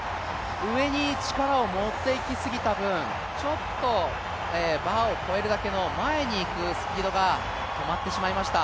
上に力を持っていきすぎた分、ちょっとバーを越えるだけの前に行くスピードが止まってしまいました。